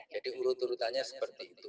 urut urutannya seperti itu